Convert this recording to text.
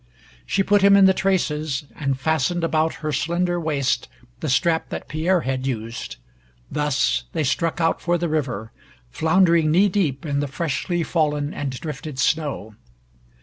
She put him in the traces, and fastened about her slender waist the strap that Pierre had used. Thus they struck out for the river, floundering knee deep in the freshly fallen and drifted snow.